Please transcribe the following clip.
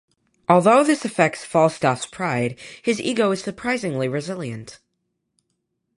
Although this affects Falstaff's pride, his ego is surprisingly resilient.